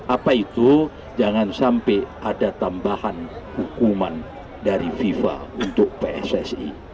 apa itu jangan sampai ada tambahan hukuman dari fifa untuk pssi